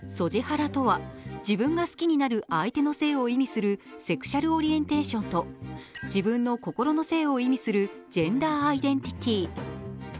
ハラとは自分が好きになる相手の性を意味するセクシャル・オリエンテーションと自分の心の性を意味するジェンダー・アイデンティティー。